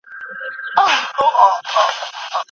هغه د نورو په خبرو نه ماتېده، ځکه چې پر خپل هدف ولاړه وه